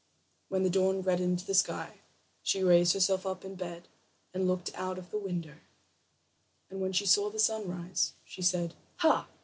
When the dawn reddened the sky, she raised herself up in bed and looked out of the window, and when she saw the sun rise she said: "Ha!